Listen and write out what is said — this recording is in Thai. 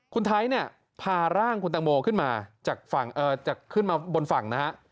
คุณไทยเนี่ยพาร่างคุณตังโมขึ้นมาจากขึ้นมาบนฝั่งนะฮะ